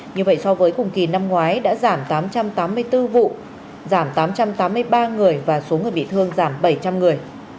như vậy so với cùng kỳ năm ngoái đã giảm tám trăm tám mươi bốn vụ giảm tám trăm tám mươi ba người và số người bị thương giảm bảy trăm linh người